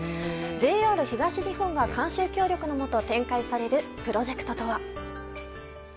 ＪＲ東日本が監修・協力のもと展開されるプロジェクトとは。